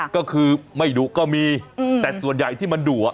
ก็คือไม่ดุก็มีแต่ส่วนใหญ่ที่มันดุอ่ะ